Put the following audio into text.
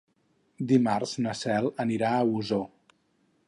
Dimarts na Cel anirà a Osor.